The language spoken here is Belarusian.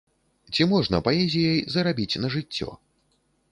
Ці можна паэзіяй зарабіць на жыццё?